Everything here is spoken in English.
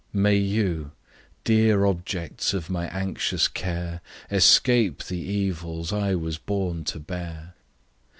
May you, dear objects of my anxious care, Escape the evils I was born to bear!